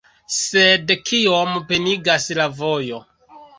Sed kiom penigas la vojo..